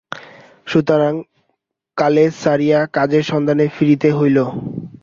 সুতরাং কালেজ ছাড়িয়া কাজের সন্ধানে ফিরিতে হইল।